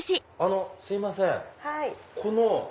すいませんこの。